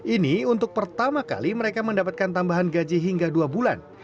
ini untuk pertama kali mereka mendapatkan tambahan gaji hingga dua bulan